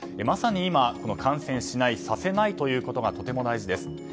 まさに今、感染しないさせないということがとても大事です。